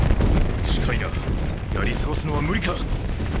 近いなやり過ごすのは無理か！